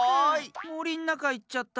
もりんなかいっちゃった。